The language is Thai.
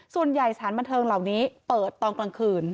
สถานบันเทิงเหล่านี้เปิดตอนกลางคืน